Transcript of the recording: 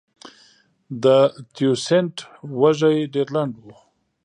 د تیوسینټ وږی ډېر لنډ و.